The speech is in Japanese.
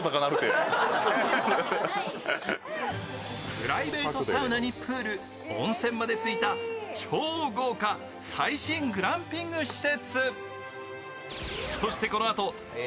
プライベートサウナにプール温泉までついた超豪華最新グランピング施設。